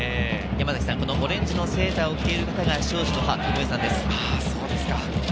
このオレンジのセーターを着ている方が庄司の母・ともえさんです。